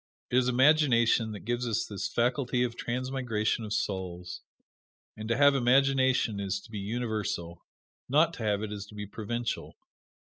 It is imagination that gives us this faculty of transmigration of souls; and to have imagination is to be universal; not to have it is to be provincial.